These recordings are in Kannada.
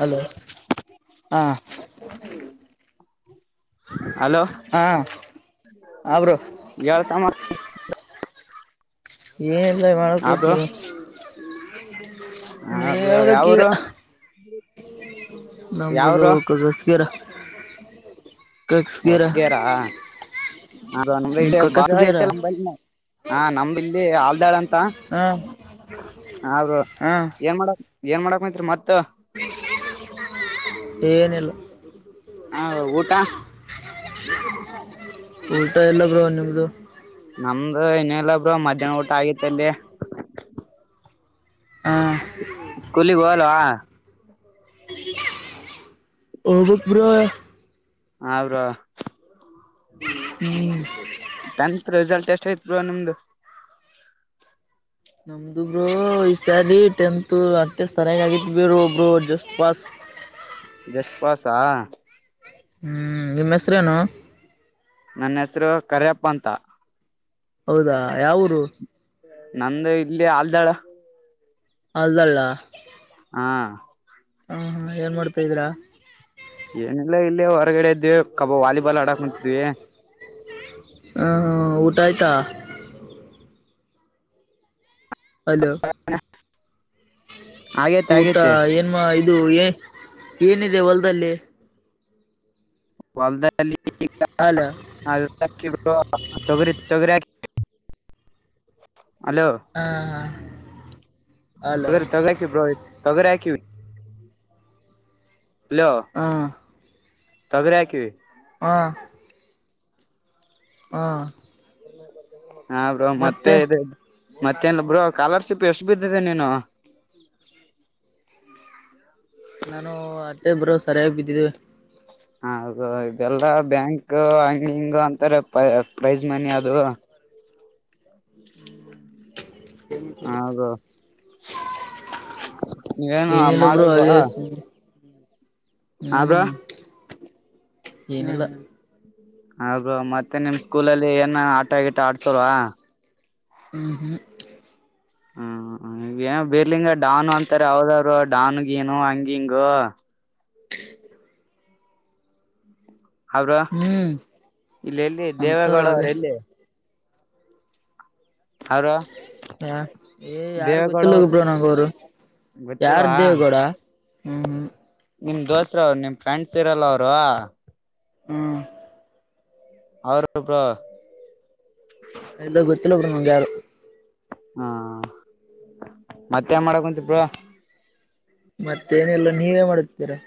ಹಲೋ ಹಾ [inaudible] [unintelligible] [inaudible] ಹಲೋ ಹಾ ಹಾ ಬ್ರೋ? [inaudible] ಎಳ್ ತಮ್ಮ. ಎನ್ಲೆ ಮಾಡ ಹಾ ಬ್ರೋ ಕುಂತಿದ. ಹಾ ಬ್ರೋ ಯಾವೂರು. ನಂಬುದು ಹೊಸಗೇರಾ. ಹೊಸ್ಗೇರಾ ಆ ನಮ್ದು ಹ್ಮ್ ಕಕ್ಕಸ್ಗೇರ [unintelligible] ಹಾ ನಮ್ಮದಿಲ್ಲಿ ಆಲ್ದಾಳ ಅಂತಾ ಹಾ ಹಾ ಬ್ರೋ ಹಾ ಏನ್ ಮಾಡ ಏನ್ ಮಾಡಕ ಕುಂತ್ರಿ ಮತ್ತ. ಏನಿಲ್. ಹಾ ಊಟಾ. [inaudible] ಊಟಾ ಇಲ್ಲ ಬ್ರೋ ನಿಮ್ದ. ನಮ್ದ್ ಹಿನ್ನ ಬ್ರೋ ಮಧ್ಯಾಹ್ನ ಊಟ ಆಗಿತ್ತ ಅಲ್ಲಿ. ಹಾ ಸ್ಕೂಲಿಗ ಹೋಗಲ್ವಾ. ಹೊಗ್ಬೇಕ್ ಬ್ರೋ. ಹಾ ಬ್ರೋ ಹ್ಮ್ ಟೆಂತ್ ರಿಸಲ್ಟ್ ಎಷ್ಟ ಐತ್ ಬ್ರೋ ನಿಮ್ದು. ನಮ್ದು ಬ್ರೋ ಈ ಸಾರಿ ಟೆಂತ್ ಅಷ್ಟೆ ಸರಿಯಾಗ ಆಗಿತ್ ಬಿಡು ಬ್ರೋ ಜಸ್ಟ್ ಪಾಸ್. ಜಸ್ಟ್ ಪಾಸಾ. ಹ್ಮ್ ನಿಮ್ ಹೆಸ್ರೇನು. ನನ್ ಹೆಸ್ರು ಕರಿಯಪ್ಪ ಅಂತ. ಹೌದಾ ಯಾವೂರೂ. ನಂದು ಇಲ್ಲೆ ಆಲ್ದಾಳ. ಆಲ್ದಾಳ. ಹಾ ಹಾ ಹ ಏನ್ ಮಾಡ್ತ ಇದೀರಾ. ಏನಿಲ್ಲ ಇಲ್ಲೆ ಹೊರಗಡೆ ಇದ್ವಿ ಕಬ ವಾಲಿಬಾಲ್ ಆಡಾಕ್ ಕುಂತೀವಿ. ಹ ಹಾ ಊಟ ಆಯ್ತಾ. ಹಲೋ ಆಗೇತೆ ಊಟ ಆಗೇತೆ ಏನ್ಮ ಇದು ಏ ಏನಿದೆ ಹೊಲದಲ್ಲಿ. ಹೊಲದಲ್ಲಿ ಹಲೋ [unintelligible] ಹ [unintelligible] ಹಾಕಿವ್ ಬ್ರೋ ತೊಗರಿ ತೊಗರಿ ಹಲೋ. ಹಾ ಹ ಹಲೋ ತೊಗರಿ ತೊಗರಿ ಹಾಕಿವ್ ಬ್ರೋ ಈ ತೊಗರಿ ಹಾಕಿವಿ ಹಲೋ. ಹಾ ತೊಗರಿ ಹಾಕಿವಿ. ಹಾ ಹ್ಮ ಹಾ ಬ್ರೋ ಮತ್ತೆ ಇದ ಮತ್ತೆನ್ ಬ್ರೋ ಸ್ಕಾಲರ್ಶಿಪ್ ಎಷ್ಟು ಬಿದ್ದಿದೆ ನೀನು. [unintelligible] ನಾನು ಅಟ್ಟೆ ಬ್ರೋ ಸರಿಯಾಗಿ ಬಿದ್ದಿದವೆ. ಹ ಹೌದು ಇದೆಲ್ಲಾ ಬ್ಯಾಂಕ್ ಹಂಗ ಹಿಂಗ ಅಂತಾರೆ ಪ್ರೈಜ್ ಮನಿ ಅದು. [unintelligible] ಹ ಬ್ರೋ. ನೀವೇನು ಏನಿಲ್ಲ ಬ್ರೋ ಮಾಡಲ್ವಾ. ಹಾಗೆ ಸುಮ್ನೆ ಹಾ ಬ್ರೋ ಏನಿಲ್ಲಾ ಹಾ ಬ್ರೋ ಮತ್ತೆ ನಿಮ್ ಸ್ಕೂಲಲ್ಲಿ ಏನ ಆಟಾ ಗಿಟಾ ಆಡ್ಸೋಲ್ವಾ ಹ್ಮ್ ಹ್ಮ ಹ್ಮ ಈ ಬಿರ್ಲಿಂಗ ಡಾನು ಅಂತಾರ ಅವಾವದವರು ಡಾನಗಿನು ಹಂಗಿಂಗು ಹಾ ಬ್ರೋ ಹ್ಮ್ ಇಲ್ಲ ಎಲ್ಲಿ ಅಂತಾರ ದೇವೇಗೌಡ ಹಾಗೆ ಅವರು ಎಲ್ಲಿ ಹಾಯ್ ಬ್ರೋ ಹ ಏ ಯಾರ ಗೊತ್ತಿಲ್ಲ ಹೋಗಿ ಬ್ರೋ ನಂಗ ಅವರು ಯಾರ್ ಗೊತ್ತಿಲ್ವಾ ದೇವಗೌಡ ಹ್ಮ್ ಹ್ಮ್ ನಿಮ್ ದೋಸ್ತ ಅವ್ರು ನಿಮ್ ಫ್ರೆಂಡ್ಸ್ ಇರಲ್ಲ ಅವರು ಹ್ಮ. ಅವರು ಬ್ರೋ. ಎಲ್ಲ ಗೊತ್ತಿಲ್ಲ ಬ್ರೋ ನಂಗ್ ಯಾರು. ಹಾ ಮತ್ತೇನ್ ಮಾಡಕಂತಿ ಬ್ರೋ. ಮತ್ತೇಏನೆಲ್ಲ ನೀವೇನ್ ಮಾಡುತ್ತೀರಾ.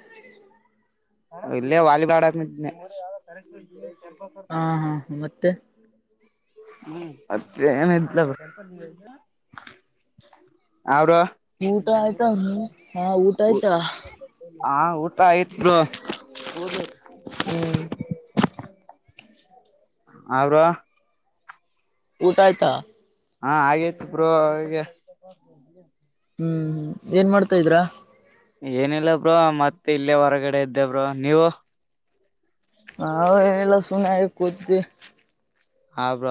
ಇಲ್ಲೇ ವಾಲಿ ಬಾಲ್ ಆಡತೀನಿ. ಹಾಂ ಹಾಂ ಹಾ ಮತ್ತೆ. ಮತ್ತೆ ಏನಿಲ್ಲ ಬ್ರೋ ಆ ಬ್ರೋ ಊಟ ಆಯ್ತಾ ಹಾ ಊಟ ಆಯ್ತಾ ಹಾ ಊಟ ಆಯ್ತ್ ಬ್ರೋ [unintelligible] ಹ್ಮ. ಹಾಬ್ರೋ ಊಟ ಆಯ್ತಾ. ಹಾ ಆಗಯ್ತಿ ಬ್ರೋ. [unintelligible] ಹ್ಮ್ ಹ್ಮ್ ಏನ್ ಮಾಡ್ತಾ ಇದ್ರಾ. ಏನಿಲ್ಲ ಬ್ರೋ ಮತ್ತೆ ಇಲ್ಲೇ ಹೊರಗಡೆ ಇದ್ದೇ ಬ್ರೋ ನೀವು. ನಾವು ಎನಿಲ್ಲ ಸುಮ್ನೆ ಹಂಗೆ ಕೊತಿದೀವಿ. ಹ ಬ್ರೋ.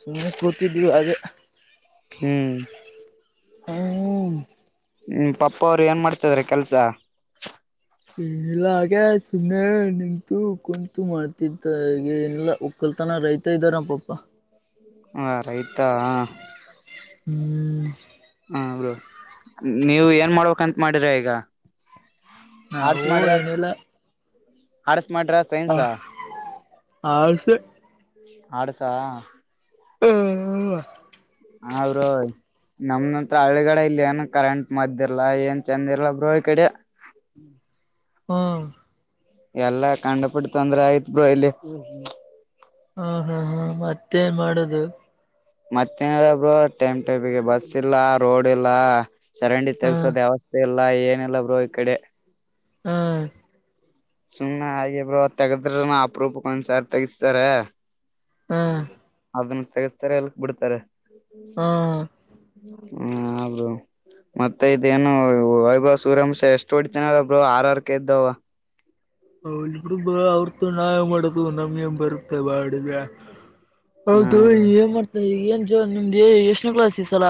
ಸುಮ್ನೆ ಕೂತಿದ್ವಿ ಅದೆ. ಹ್ಮ್. ಹ್ಮ್. ಹ್ಮ್ ಪಪ್ಪ ಅವರು ಏನ್ ಮಾಡ್ತಿದಾರೆ ಕೆಲ್ಸ. ಏನಿಲ್ಲ ಹಾಗೆ ಸುಮ್ಮನೆ ನಿಂತು ಕುಂತು ಮಾಡ್ತಿದ್ದ ಈಗ ಏನಿಲ್ಲ. ಕುಲ್ತಾನ ರೈತ ಇದ್ದಾರ ಪಪ್ಪ. ಹಾ ರೈತಾ. ಆ ಹ್ಮ್. ಆ ಬ್ರೋ ನೀವ ಏನ್ ಮಾಡ್ಬೇಕಂತ ಮಾಡೀರ ಈಗ. ನಾವು ಆರ್ಟ್ಸ್ ಮಡ್ರ ಏನಿಲ್ಲ ಆರ್ಟ್ಸ್ ಮಡ್ರಾ ಹ ಆರ್ಟ್ಸ್. ಆರ್ಟ್ಸ್ ಹ. ಹ್ಮ. ಅ ಬ್ರೋ ನಮ್ದಂತ್ರ ಹಳಗಾಡ ಇಲ್ಲ ಏನು ಕರೆಂಟ್ ಮದ್ದಿಲ್ಲಾ ಏನ್ ಚಂದ ಇಲ್ಲ ಬ್ರೋ ಈ ಕಡೆ. ಹ ಎಲ್ಲಾ ಕಂಡ ಪುಟ್ಟ ತೊಂದ್ರೆ ಆಯ್ತ್ ಬ್ರೋ ಇಲ್ಲಿ. ಹಾ ಹಾ ಹಾ ಮತ್ತೇನ್ ಮಾಡುದು. ಮತ್ತೇನ್ ಏನ್ ಹೇಳೋದು ಬ್ರೋ ಟೈಮ್ ಟೈಮಿಗೆ ಬಸ್ ಇಲ್ಲಾ ರೋಡ್ ಇಲ್ಲ ಚರಂಡಿ ಹ್ಮ್ ತೆಗಸೋದ ಯಾವ್ ಎಲ್ಲಾ ಏನಿಲ್ಲ ಬ್ರೋ ಈ ಕಡೆ. ಹಾ ಸುಮ್ಮ್ನೆ ಹಾಗೆ ಬ್ರೋ ತಗದ್ರುನು ಅಪರೂಪಕ್ ಒಂದ್ಸಾರಿ ತಗಸ್ತಾರೆ. ಹ್ಮ ಅದನ್ನ ತೆಗೆಸ್ತಾರೆ ಎಲ್ಕ್ ಬಿಡ್ತಾರೆ. ಹ್ಮ್ ಹೂ ಹಾ ಬ್ರೋ. ಮತ್ತೆ ಇದೇನು ವೈಭವ್ ಸೂರ್ಯವಂಶಿ ಎಷ್ಟು ಹೊಡಿತನ ಬ್ರೋ ಆರರ್ಕ ಇದ್ದವ ಹ ಬಿಡು ಅವರದು ತಗೊಂಡು ನಾವ್ ಎನ್ ಮಾಡೋದು ನಮ್ಗೆ ಬರುತ್ತೆ ಬಾಡಿಗೆ. ಹಾ ಹೌದು ಬ್ರೋ ಏನ್ ಮಾಡ್ತಾ [unintelligible] ನಿಮ್ದ ಎಷ್ಟನ ಕ್ಲಾಸ್ ಈ ಸಲ.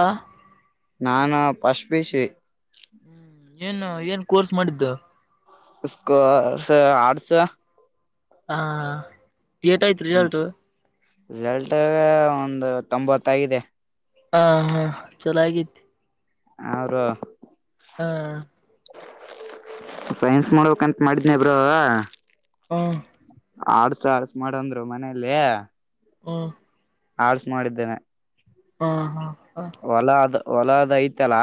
ನಾನು ಫಸ್ಟ್ ಪಿಯುಸಿ. ಏನ್ ಏನ್ ಕೋರ್ಸ್ ಮಾಡಿದ್ದು. [unintelligible] ಹ ಏಟ್ ಆಯ್ತ ರಿಸಲ್ಟ್. ರಿಸಲ್ಟ್ ಒಂದು ತೊಂಬತ್ತಗಿದೆ. ಹಾ ಹಾ ಚಲೋ ಆಗಿತೆ. ಹಾ ಬ್ರೋ. ಹಾ ಸೈನ್ಸ್ ಮಾಡೋಬೇಕ್ಂತ ಮಾಡಿದ್ನಿ ಬ್ರೋ. ಹಾ ಆಡ್ಸ ಆಡ್ಸ ಮಾಡಂದ್ರು ಮನೆಯಲ್ಲಿ. ಹೂಂ ಆರ್ಟ್ಸ್ ಮಾಡಿದ್ದೇನೆ. ಹಾ ಹಾ ಹ ಹೊಲ ಅದ್ ಹೊಲದ್ ಐತಲಾ.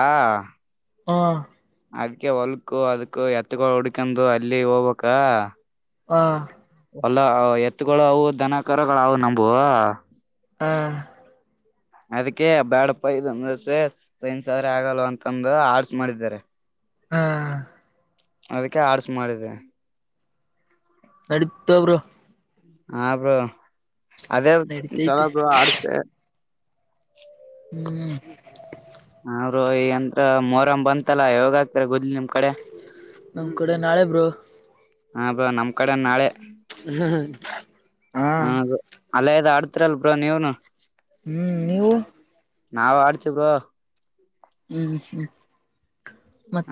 ಹಾ ಅದ್ಕೆ ಹೊಲ್ಕು ಅದುಕ್ಕೆ ಎತ್ತಗಳು ಹುಡ್ಕಂದು ಅಲ್ಲಿ ಹೋಗ್ಬೇಕ. ಹ ಅಲ್ಲ ಎತ್ಗಳು ಅವು ದನಕಾರಗಳು ಅವವು ನಂಬುವೂ. ಹಾ [inaudible] ಅದಕ್ಕೆ ಬ್ಯಾಡಪ್ಪ ಇದೊಂದ ಸೈನ್ಸ್ ಅಂದ್ರೆ ಆಗಲ್ ಅಂತಂದು ಆರ್ಟ್ಸ್ ಮಾಡಿದ್ದಾರೆ. ಹಾ ಅದಕ್ಕೆ ಆರ್ಟ್ಸ್ ಮಾಡಿದ್ದೀನಿ. [unintelligible] ಹಾ ಬ್ರೋ ಅದೇ ಚಲ ನಡೀತೈತಿ ಬೋ ಆರ್ಡ್ಸ್. ಹ್ಮ್ ಹಾ ಬ್ರೋ ಮೋರಮ್ಮ್ ಬಂತಲ್ಲಾ ಯಾವಾಗ ಹಾಕ್ತಾರೆ ಗುದ್ಲಿ ನಿಮ್ ಕಡೆ. ನಮ್ ಕಡೆ ನಾಳೆ ಬ್ರೋ. ಹ ಬ್ರೋ ನಮ್ ಕಡೆ ನಾಳೆ ಹಾ ಹ. ಅಲ್ಲೇ ಇದು ಆಡ್ತಿರಲ್ ಬ್ರೋ ನೀವ್ನು ಹ್ಮ್ ನೀವು ನಾವ್ ಆಡ್ತೀ ಬ್ರೋ. ಹ್ಮ್ ಹ್ಮ್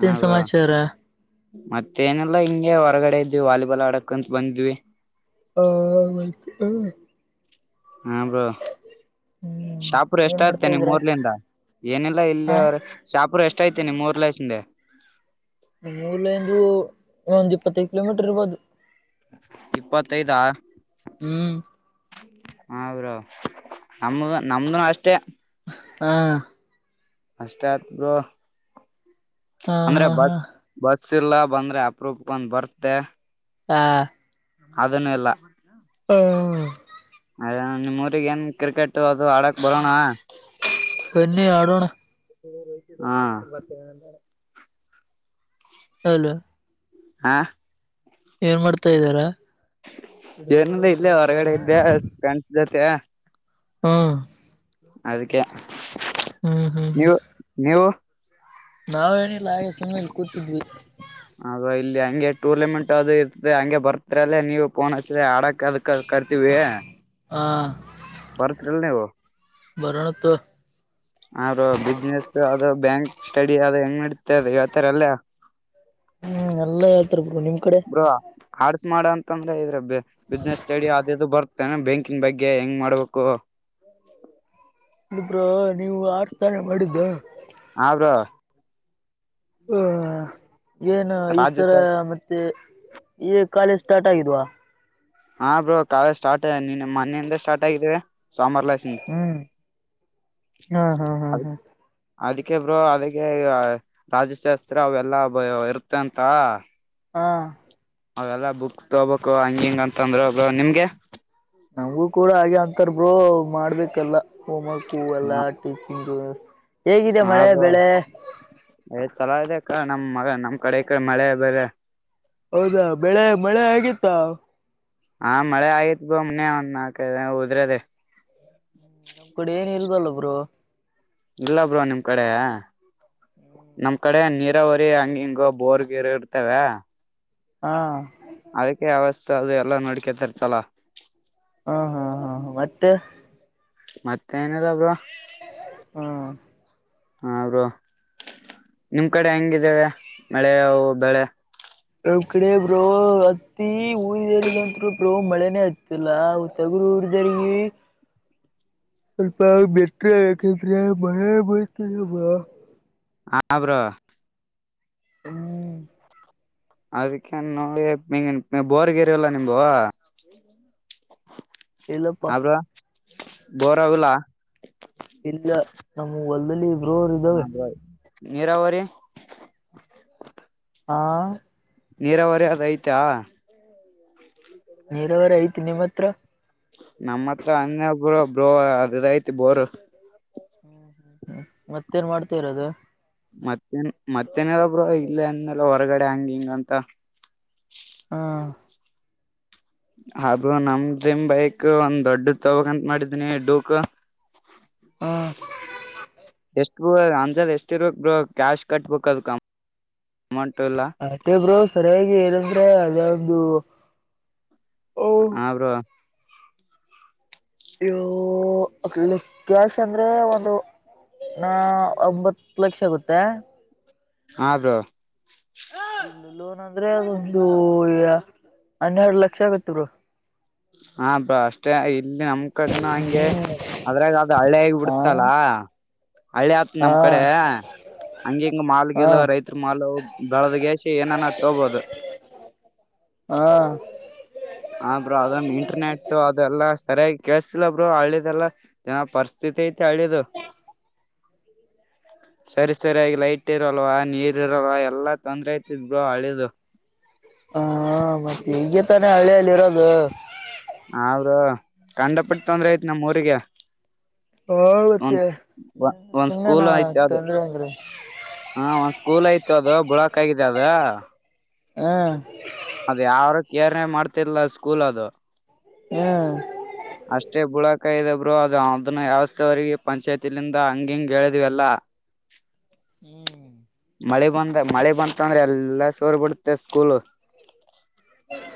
ಹಾ, ಬ್ರೋ ಸಮಾಚಾರ ಮತ್ತೇನಿಲ್ಲಾ ಹಿಂಗೆ ಹೊರಗಡೆ ಇದ್ವಿ ವಾಲಿಬಾಲ್ ಆಡಕ್ಂತತ್ ಬಂದ್ವಿ. ಹ [inaudible] ಹ್ಮ್, ಹ್ಮ್ ಬ್ರೋಶಾಹಪುರು ಎಷ್ಟ ಏನ್ ಮಾಡ್ತಾ ಆತ್ತೇನ ನಿಮ್ಮ್ ಇದ್ರ ಊರ್ಲಿಂದ. ಏನಿಲ್ಲ ಇಲ್ಲಿ ಹಾ ಅವ ಶಾಪುರು ಎಷ್ಟ ಐತಿ ನಿಮ್ಮ ಊರ್ ಲೆಸಿಂದ. ನಮ್ಮೂರಲಿಂದು ಇ ಒಂದ್ ಇಪ್ಪತ್ತೈದು ಕಿಲೋಮೀಟರ್ ಇರ್ಬೋದು. ಇಪ್ಪತ್ತೈದಾ ಹ್ಮ್, ಹಾ, ಬ್ರೋ, ನಮ್ದು ನಮ್ದನು ಅಷ್ಟೇ, ಹಾ, ಹಾ ಅಷ್ಟೇಬ್ರೋಅಂದ್ರೆ ಹಾ ಹಾ ಬಸ್ ಬಸ್ಸಿ ಇಲ್ಲ ಬಂದ್ರೆ ಅಪರೂಪಕ್ಕೆ ಬಂದ್ ಬರ್ತೆ. ಹಾ, ಅದನ್ನು ಇಲ್ಲಾ ಹ್ಮ [inaudible] ಅದೇ ನಿಮ್ ಊರಿಗೆ ಎಂದ ಕ್ರಿಕೆಟ್ ಅದು ಆಡಕ್ ಬರೋಣ. ಬನ್ನಿ ಆಡೋಣ. [inaudible] ಹೌನು [inaudible] ಹಾ, ಏನ್ ಮಾಡ್ತಾ ಇದ್ದೀರಾ ಏನಬೇಕಲ್ಲೇ ಹೊರಗಡೆ ಇದ್ದೆ ಫ್ರೆಂಡ್ಸ್ ಜೊತೆ ಹಾ [inaudible] ಅದಕ್ಕೆ ಹ್ಮ್ ನೀವು ನೀವು ನಾವ್ ಏನಿಲ್ಲ ಹಾಗೆ ಸುಮ್ಮ್ನೆಲ್ಲಿ ಕೂತಿದ್ವಿ. ಅದ ಇಲ್ಲಿ ಹಂಗೆ ಟೂರ್ನಮೆಂಟ್ ಅದು ಇರ್ತದೆ. ಹಂಗೆ ಬರ್ತ್ರಲ್ಲೇ ನೀವು ಪೋನ್ ಹಚ್ಚಿದ್ರೆ ಆಡಕ್ ಅದಕ್ ಕರ್ತೀವಿ. ಹಾ, ಬರ್ತ್ರಿಲ್ ನೀವು ವರ್ರಣತ [unintelligible] ಅವರು ಬಿಸ್ನೆಸ್ ಅದು ಬ್ಯಾಂಕ್ ಸ್ಟಡಿ ಅದು ಹೆಂಗ್ ನಡಿತದ ಅದು ಹೇಳ್ತರೆಲ್ಲಾ. ಹ್ಮ್, ಎಲ್ಲಾ ಹೇಳ್ತಾ ರ್ ಗುರು ನಿಮ್ ಕಡೆ. ಬ್ರೋ, ಆಡ್ಸ್ ಮಾಡ ಅಂತಂದ್ರೆ ಇದ್ರಬ್ ಬಿಸ್ನೆಸ್ ಸ್ಟಡಿ ಅದು ಬರ್ತ್ತ ಬ್ಯಾಂಕಿಂಗ್ ಬಗ್ಗೆ ಹೆಂಗ್ ಮಾಡ್ಬೇಕು. ಬ್ರೋ, ನೀವು ಆಡ್ಸತಾನೆ ಮಾಡಿದ್ದು. ಹಾ, ಬ್ರೋ ಹಾ, ಏನು ಈ ರಾಜ್ಯ ಸರ ಸರ್ ಮತ್ತೆ ಈ ಕಾಲೇಜ್ ಸ್ಟಾರ್ಟ್ ಆಗಿದ್ವಾ., ಹಾ, ಬ್ರೋ ಕಾಲೇಜಸ್ಟಾರ್ಟ್ ಮೊನ್ನ ಯಿಂದ ಸ್ಟಾರ್ಟ್ ಆಗಿದ್ದೇ ಸೊಮವಾರ್ ಲೆಸ್ಸಿಂದ. ಹ್ಮ್, [unintelligible] ಹಾ ಹಾ ಹಾ ಅದ ಹಾ ಅದಕ್ಕೆ ಬ್ರೋ ಅದಕ್ಕೆ ರಾಜಶಾಸ್ತ್ರ ಅವೆಲ್ಲಾ ಇರುತ್ತಂತ. ಹಾ, ಅವೆಲ್ಲ ಬುಕ್ಸ್ ತಗೋಬೇಕು ಹಂಗ ಹಿಂಗ ಅಂತ ಅಂದ್ರ ನಿಮ್ಗೆ. ನಮಗೂ ಕೂಡ ಹಾಗೆ ಅಂತರಬ್ರೋ ಮಾಡ್ಬೇಕಲ್ಲ ಹೋಮ್ ವರ್ಕು ಎಲ್ಲಾ ಸಿಂಗ [unintelligible] ಹಾ, ಬ್ರೋ ಚಲೋ ಇದೆ ಕ್ಕ ನಮ್ - ನಮ್ ಕಡೆ ಈ ಕಡೆ ಮಳೆ ಬೆಳೆ. ಹೌದಾ ಬೆಳೆ ಮಳೆ ಆಗಿತ್ತಾ. ಹಾ ಮಳೆ ಆಯ್ತ ಮೂಮ್ನೆ ಒಂದ ನಾಕ ಉದ್ರದೆ. ನಮ್ಮ ಕಡೆ ಏನ್ ಇಲ್ವಲ್ಲ ಬ್ರೋ. ಇಲ್ಲಾ ಬ್ರೋ ನಿಮ್ಮ ಕಡೆ ನಮ್ಮ ಕಡೆ ನೀರ್. ನಿರಾವರಿ ಹಂಗ ಹಿಂಗ ಬೋರ್ ಗಿರು ಇರ್ತವ. ಹಾ ಅದಕ್ಕೆ ಯಾವಸ್ಥೆ ಅದು ಎಲ್ಲಾ ನೋಡ್ಕತರ್ಸಲಾ. ಹಾ ಹಾ ಹಾ ಮತ್ತೆ. ಮತ್ತೆ ಏನಲ್ಲ ಬ್ರೋ. ಏ ಏ ಹಾ ಹಾ ಬ್ರೋ ನಿಮ್ಮ ಕಡೆ ಹೆಂಗಿದ್ದೇವೆ ಮಳೆ ಅವು ಬೆಳೆ. ನಮ್ಮ ಕಡೆ ಬ್ರೋ ಹತ್ತಿ ಹೊ ಹಿರಿದಿದೆ ಬ್ರೋ ಮಳೆನೇ ಆಯತಿಲ್ಲಾ. ತಗಡು ಉದ್ದಡಿಗೆ. ಟಕ್ ಟಕ್ ಸ್ವಲ್ಪ ಮಿಲ್ಟ್ರಿ ಅಕ್ಕೆತ್ರಾ ಭಯಾ ಬರ್ತದ ರಿ ಭಯಾ. ಹಾ ಬ್ರೋ. ಹು ಅದಕ್ಕೆನ್ ನೋಡಿಮೇಗೇನ್ ಬೋರ್ಗೇರಿ ಇಲ್ಲಾ ನಿಂಬು ಇಲ್ಲಪ್ಪಾ ಹಾ ಬ್ರೋ ಬೋರ ಆಗುಲ್ಲ. ಇಲ್ಲಾ ನಮ್ಮ ಹೊಲದಲ್ಲಿ. ಹಾ ಬ್ರೋ ನೀರಾವರಿ. ಹಾ ನೀರಾವರಿ ಅದ ಐತಾ. ನೀರಾವರಿ ಐತಿ ನಿಮ್ಮ ಹತ್ರ. ನಮ್ಮ ಹತ್ರ ಅನ್ನ ಬ್ರೋ ಬ್ರೋ ಅದಐತಿ ಬೋರ. ಹು ಹು ಹು ಮತ್ತೇನ ಮಾಡ್ತಿರದು. ಮತ್ತೇನ್ ಮತ್ತೇನಲ್ಲಬ್ರೋ ಇಲ್ಲ ಅಂದಲ್ಲ ಹೊರಗಡೆ ಹಂಗ ಹಿಂಗ ಅಂತ. ಹಾ ಅದು ನಮ್ಮ ಡ್ರೀಮ ಬೈಕ ಒಂದ ದೊಡ್ಡ ತಗೋಂತ ಮಾಡಿದನಿ ಡೂಕ. ಹಾ ಜಿ ಎಷ್ಟು ಬ್ರೋ ಅದಾಜ ಎಷ್ಟ ಇರ್ಬೇಕ ಬ್ರೋ ಕ್ಯಾಶ್ ಕಟ್ಬೇಕ ಅದಕ. ಅಮೌಂಟು ಇಲ್ಲಾ. ಆಟೇ ಬ್ರೋ ಸರಿಯಾಗಿ ಏನಂದ್ರೆ ಅಲ್ಲೊಂದು ಒಂದು. ಹಾ ಬ್ರೋ ಇವು ಅಲ್ಲಿ ಕ್ಯಾಶ ಅಂದ್ರೆ ಒಂದು ನ ಒಂಬತ್. ಹ ಲಕ್ಷ ಆಗುತ್ತೆ. ಹಾ ಬ್ರೋ ಅಲ್ಲ ಲೋನ್ ಅಂದ್ರೆ ಒಂದು ಹನ್ನೆರಡು ಲಕ್ಷ ಆಗತ್ತ ಬ್ರೋ. ಹಾ ಬ್ರೋ ಅಷ್ಟೇ ಐತಿ ಅಮೌ ಕಡೆನ ಹಂಗೆ ಅದ್ರಾಗ ಅದು ಹಳ್ಳೇಗ್ ಹಾ ಬಿಡ್ತಲ್ಲ. ಹಳ್ಳಿ ಆತ ಹಾ ನಮ್ಮ ಕಡೆ. ಹಂಗ ಹಿಂಗ ಮಾಲಗಿಲು ಹಾ ರೈತರ ಮಾಲ್ ಬೆಳದಗೆಸಿ ಏನಾನ ತಗೊಬೋದು. ಹಾ ಹಾ ಬ್ರೋ ಅದನ್ನ ಇಂಟರ್ನೆಟ್ ಅದೆಲ್ಲಾ ಸರಿಯಾಗಿ ಕೇಸಿಲ್ಲ ಬ್ರೋ ಹಳ್ಳಿದೆಲ್ಲಾ. ಯಾವ ಪರಿಸ್ಥಿತಿ ಐಟಿ ಹಳ್ಳಿದು. ಸರಿ ಸರಿ ಆ ಲೈಟ್ ಇರಲ್ವಾ ನೀರ್ ಇರಲ್ವ ಎಲ್ಲಾ ತೊಂದ್ರೆ ಐತಿದ್ ಗೋ ಹಳ್ಳಿದು. ಹಾ ಮತ್ತೆ ಈಗ ತಾನೆ ಹಳ್ಳಿಯಲ್ಲಿ ಇರೋದು. ಹಾ ಬ್ರೋ ಕಂಡ ಪಟ್ಟ ತೊಂದ್ರೆ ಐತೆ ನಮ್ಮ್ ಊರಿಗೆ. ಹೋಗತ್ತೆ ಒಂದ್ ಏನ್ ಒಂದ್ ಸ್ಕೂಲ್ ಸುಮ್ಮನಾ ಐತಿ ಅದು [unintelligible] ಅಂದ್ರೆ. ಹಾ ಒಂದ್ ಸ್ಕೂಲ್ ಆಯ್ತು ಅದು ಬುಳಕ್ ಆಗಿದೆ ಅದ. ಹ್ಮ ಅದ ಯಾರು ಕೇರ್ ಹೇ ಮಾಡ್ತಿಲ್ಲ ಸ್ಕೂಲ್ ಅದು. ಹ್ಮ ಅಷ್ಟೇ ಬುಳಕಾಯಿದೆ ಬ್ರೋ ಅದು ಅದನ್ನ ವ್ಯವಸ್ಥೆವರೆಗ ಪಂಚಾಯತಿಲಿಂದ ಹಂಗ ಹಿಂಗ್ ಹೇಳಿದ್ವಿ ಎಲ್ಲಾ. [inaudible] ಹ್ಮ್ ಮಳೆ ಬಂದ ಮಳೆ ಬಂತ ಅಂದ್ರೆ ಎಲ್ಲ ಸೋರ್ ಬಿಡುತ್ತೆ ಸ್ಕೂಲ್.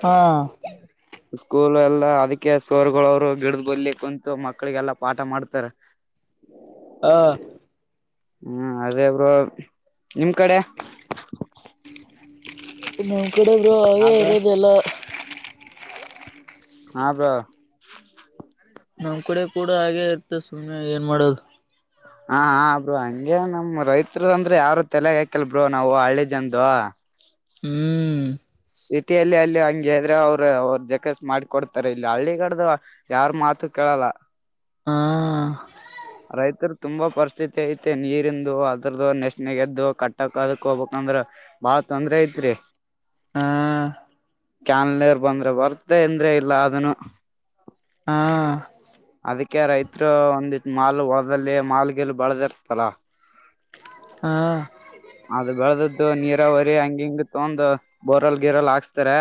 ಹಾ ಸ್ಕೂಲ್ ಎಲ್ಲಾ ಅದಕ್ಕೆ ಸೋರ್ಗಳವರು ಗಿಡ್ದ್ ಬಲ್ಲಿ ಕುಂತು ಮಕ್ಕಳಿಗೆಲ್ಲಾ ಪಾಠ ಮಾಡ್ತಾರೆ. ಹಾ ಹ್ಮ್ ಅದೆ ಬ್ರೋ ನಿಮ್ ಕಡೆ. ನಮ್ಮ್ ಕಡೆ ಅವೇ ಅದು ಇರೋದ ಎಲ್ಲಾ. ಹ ಬ್ರೋ. ನಮ್ಮ್ ಕಡೆ ಕೂಡ ಹಾಗೆ ಇರ್ತ ಸುಮ್ನೆ ಏನ್ ಮಾಡೋದು. ಹ ಹಾ ಬ್ರೋ ಹಂಗೆ ನಮ್ ರೈತರು ಅಂದ್ರೆ ಯಾರ ತಲೆಗ್ ಹಾಕಲ್ ಬ್ರೋ ನಾವು ಹಳ್ಳಿ ಜನದು. ಹ್ಮ್ ಹ್ಮ್ ಸಿಟಿಯಲ್ಲಿ ಅಲ್ಲಿ ಹಂಗ ಗೈದ್ರೆ ಅವ್ರು ಅವರು ಜಕಸ್ ಮಾಡಕೊಡ್ತಾರೆ ಇಲ್ಲಿ ಹಳ್ಳಿಗಡ್ದ ಯಾರ್ ಮಾತು ಕೇಳಲ್ಲ. ಹಾ [inaudible] ರೈತರು ತುಂಬಾ ಪರಿಸ್ಥಿತಿ ಐತೆ ನೀರಿಂದು ಅದ್ರದು ನೆಶನೆ ಎದ್ದು ಕಟ್ಟಕ್ ಅದಕ್ ಹೋಗಬೇಕಂದ್ರ. ಬಾಳ ತೊಂದ್ರೆ ಐತ್ರಿ. ಹಾ ಚಾನೆಲ್ ನೀರ್ ಬಂದ್ರೆ ಬರ್ತ ಅಂದ್ರೆ ಇಲ್ಲ ಅದನು. ಹಾ ಅದಕ್ಕೆ ರೈತ್ರು ಒಂದಿಟ್ಟ ಮಾಲ್ ಹೋದದಲ್ಲಿ ಮಾಲ್ ಗಿಲ್ ಬಳದಿರ್ತಾದಲ್ಲ. [inaudible] ಹಾ ಅದು ಬೆಳೆದದ್ದು ನೀರ ಹೊರಿ ಹಂಗ ಹಿಂಗ ತೊಂಡು ಬೋರಲ್ ಗೀರಲ್ ಹಾಕ್ಸ್ತಾರ.